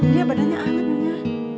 dia badannya anget nyanya